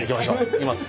いきます。